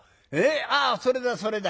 あそれだそれだ。